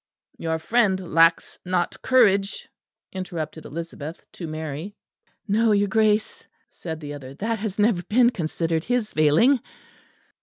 "Your friend lacks not courage," interrupted Elizabeth to Mary. "No, your Grace," said the other, "that has never been considered his failing."